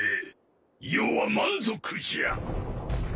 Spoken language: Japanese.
余は満足じゃ。